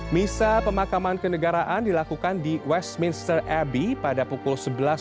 misa pemakaman kendegaraan dilakukan di westminster abbey pada pukul sebelas